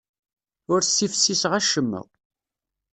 Ur ssifsiseɣ acemma.